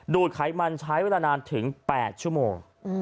ดไขมันใช้เวลานานถึง๘ชั่วโมง